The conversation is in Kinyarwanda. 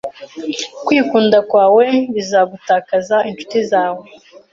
Kwikunda kwawe bizagutakaza inshuti zawe.